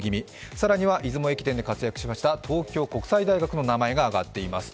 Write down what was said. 更には出雲駅伝で活躍しました東京国際大学の名前が挙がっています。